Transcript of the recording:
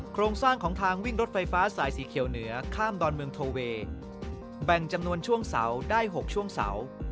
โครงสร้างของทางวิ่งรถไฟฟ้าสายสีเขียวเหนือข้ามดอนเมืองโทเวย์แบ่งจำนวนช่วงเสาได้๖ช่วงเสา